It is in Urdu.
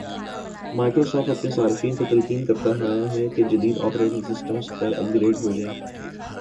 مائیکروسافٹ اپنے صارفین کو تلقین کرتا آیا ہے کہ جدید آپریٹنگ سسٹمز پر اپ گریڈ ہوجائیں